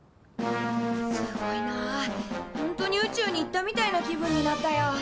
すごいな本当に宇宙に行ったみたいな気分になったよ。